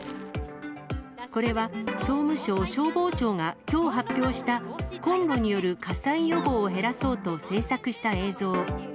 これは、総務省消防庁がきょう発表したコンロによる火災予防を減らそうと制作した映像。